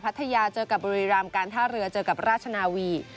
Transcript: ทยาเจอกับบุรีรามการท่าเรือเจอกับราชนาวี